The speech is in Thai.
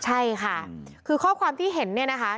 ใช่ค่ะคือข้อความที่เห็นเนี่ยนะคะ